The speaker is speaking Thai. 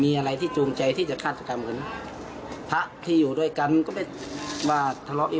เขาก็สงสัยกันอยู่ว่าไปอย่างไร